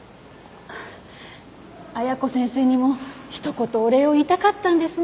綾子先生にもひと言お礼を言いたかったんですが。